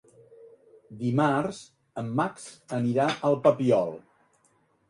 Dimarts en Max anirà al Papiol.